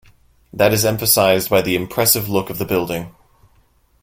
That is emphasized by the impressive look of the building.